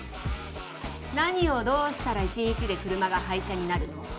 何をどうしたら１日で車が廃車になるの？